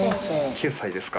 ９歳ですか。